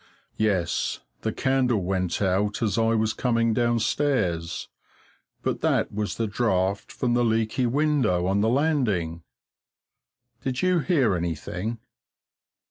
Yes, the candle went out as I was coming downstairs, but that was the draught from the leaky window on the landing. Did you hear anything?